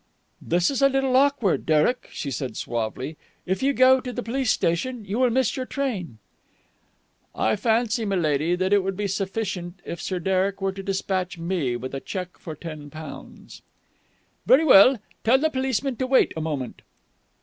"This is a little awkward, Derek," she said suavely. "If you go to the police station, you will miss your train." "I fancy, m'lady, it would be sufficient if Sir Derek were to dispatch me with a cheque for ten pounds." "Very well. Tell the policeman to wait a moment."